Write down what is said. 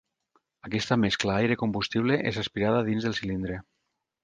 Aquesta mescla aire-combustible és aspirada dins del cilindre.